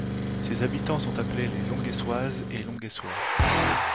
Ses habitants sont appelés les Longuessoises et Longuessois.